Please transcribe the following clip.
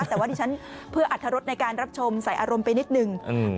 แต่ว่าที่ฉันเพื่ออรรถรสในการรับชมใส่อารมณ์ไปนิดนึง